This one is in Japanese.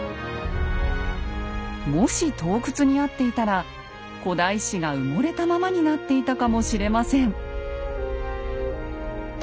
もし盗掘にあっていたら古代史が埋もれたままになっていたかもしれません。